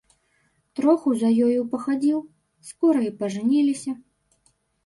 Троху за ёю пахадзіў, скора і пажаніліся.